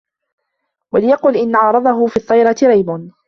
وَلْيَقُلْ إنْ عَارَضَهُ فِي الطِّيَرَةِ رَيْبٌ